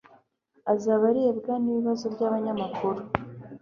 azaba arebwa n'ibibazo by'abanyamakuru